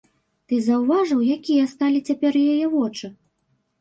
Ты заўважыў, якія сталі цяпер яе вочы?